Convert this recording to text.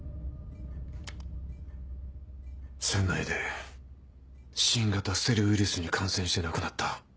船内で新型ステルウイルスに感染して亡くなった。